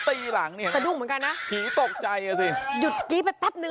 พี่หายใจดึงก่อนต้องหายใจดึง